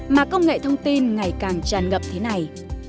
mà công nghệ thông tin ngày càng tràn ngập thế này